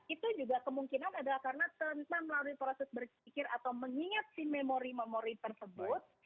itu juga kemungkinan adalah karena tentang melalui proses berpikir atau mengingat si memori memori tersebut